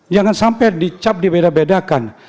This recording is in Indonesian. jangan sampai dicap dibeda bedakan